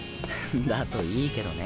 だといいけどね。